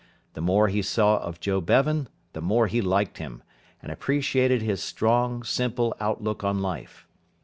The more he saw of Joe Bevan the more he liked him, and appreciated his strong, simple outlook on life.